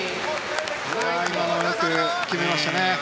今のはよく決めましたね。